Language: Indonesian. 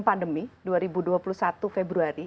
pandemi dua ribu dua puluh satu februari